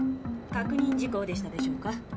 確認事項でしたでしょうか？